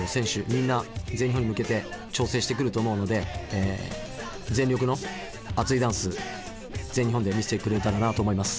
みんな全日本に向けて調整してくると思うので全力の熱いダンス全日本で見せてくれたらなと思います。